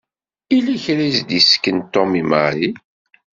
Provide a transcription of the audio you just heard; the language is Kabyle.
Yella kra i s-d-isken Tom i Mary.